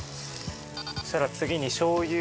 そしたら次にしょう油。